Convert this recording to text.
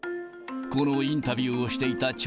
このインタビューをしていた